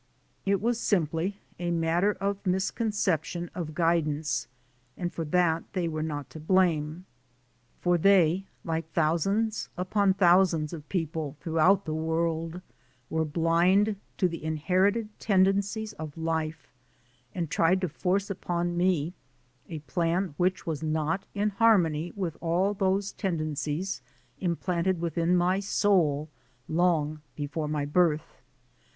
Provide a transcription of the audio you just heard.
It was simply a matter of misconception of guidance, and for that they were not to blame. For they, like thousands upon thousands of people throughout the world, were blind to the inherited tendencies of life, and tried to force upon me a plan which was not in harmony with all those tendencies im planted within my soul long before my birth.